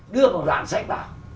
đưa vào đoạn sách nào